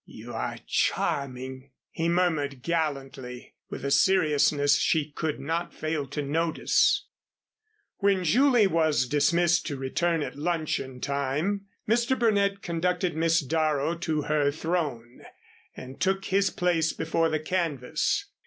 "You are charming," he murmured gallantly with a seriousness she could not fail to notice. When Julie was dismissed to return at luncheon time, Mr. Burnett conducted Miss Darrow to her throne and took his place before the canvas.